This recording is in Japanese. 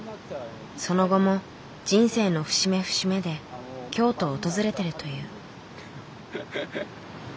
その後も人生の節目節目で京都を訪れているという。